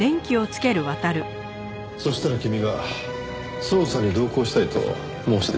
そしたら君が捜査に同行したいと申し出た。